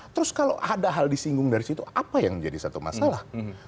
terus kalau ada hal disinggung dari situ apa yang menjadi satu masalah